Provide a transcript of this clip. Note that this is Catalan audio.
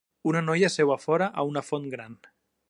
Una noia seu fora a una font gran.